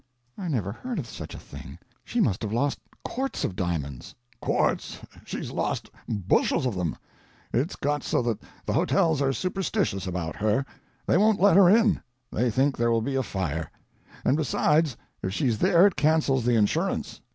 "I never heard of such a thing. She must have lost quarts of diamonds." "Quarts, she's lost bushels of them. It's got so that the hotels are superstitious about her. They won't let her in. They think there will be a fire; and besides, if she's there it cancels the insurance.